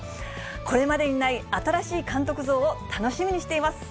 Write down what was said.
これまでにない新しい監督像を楽しみにしています。